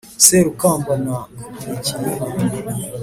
Serukamba na Nkurikiyinka.